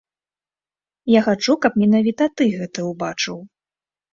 Я хачу, каб менавіта ты гэта ўбачыў!